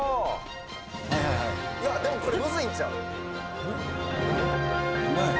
でもこれむずいんちゃう？ねえ。